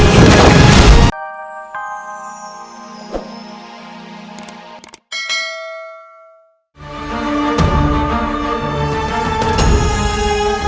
kami membawa orang ini